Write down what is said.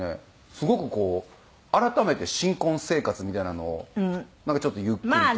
すごくこう改めて新婚生活みたいなのをなんかちょっとゆっくりと。